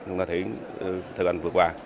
chúng ta thấy thời gian vừa qua